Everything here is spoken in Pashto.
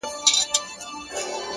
وخت د فرصتونو وزن معلوموي.!